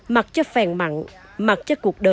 mặc cho phèn mặn mặc cho cuộc đời